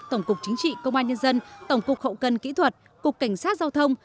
tổng cục chính trị công an nhân dân tổng cục hậu cần kỹ thuật cục cảnh sát giao thông